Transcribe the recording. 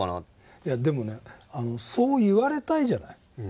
いやでもねそう言われたいじゃない。